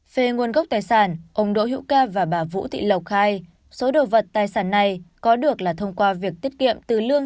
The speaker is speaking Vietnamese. về nguồn gốc tài sản ông đỗ hữu ca và bà vũ thị lộc khai số đồ vật tài sản này có được là thông qua việc tiết kiệm từ lương